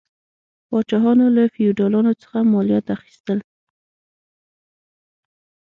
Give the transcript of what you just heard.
پاچاهانو له فیوډالانو څخه مالیات اخیستل.